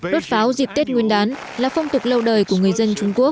đốt pháo dịp tết nguyên đán là phong tục lâu đời của người dân trung quốc